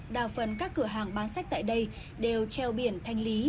đa phần các cửa hàng bán sách tại đây đều treo biển thanh lý